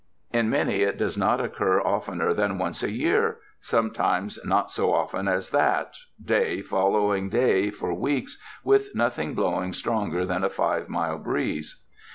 In many, it does not occur oftener than once a year, sometimes not so often as that, day following day for weeks with nothing blowing stronger than a five mile breeze.